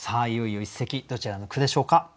いよいよ一席どちらの句でしょうか。